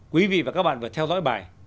quý vị và các bạn vừa theo dõi bài